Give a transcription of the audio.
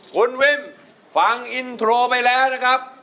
คุณวิมฟังอินโทรไปแล้วนะครับ